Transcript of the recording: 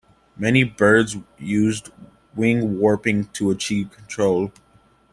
Many birds use wing warping to achieve control.